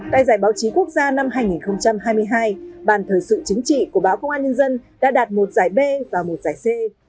tại giải báo chí quốc gia năm hai nghìn hai mươi hai bàn thời sự chính trị của báo công an nhân dân đã đạt một giải b và một giải c